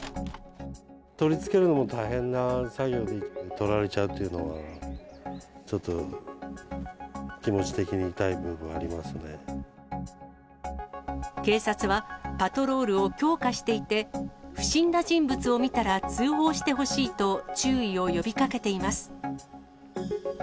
取り付けるのも大変な作業で、とられちゃうっていうのは、ちょっと気持ち的に痛い部分はあ警察は、パトロールを強化していて、不審な人物を見たら通報してほしいと注意を呼びかけています。